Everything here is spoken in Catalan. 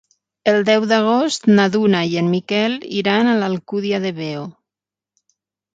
El deu d'agost na Duna i en Miquel iran a l'Alcúdia de Veo.